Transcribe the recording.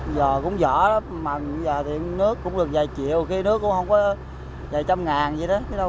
giờ cũng giỡn lắm mà giờ thì nước cũng được vài triệu khi nước cũng không có vài trăm ngàn gì đó